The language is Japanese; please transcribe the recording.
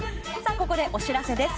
ここでお知らせです。